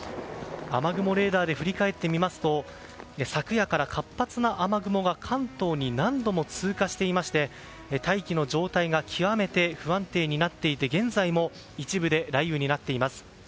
雨雲レーダーで振り返りますと昨夜から活発な雨雲が関東に何度も通過していまして大気の状態が極めて不安定になっていて現在も一部で雷雨になっています。